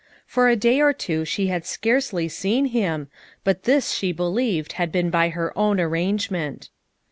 For a day or two she had scarcely seen him, but this she be lieved had been by her own arrangement.